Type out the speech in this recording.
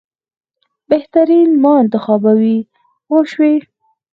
بهترین ما انتخابوي پوه شوې!.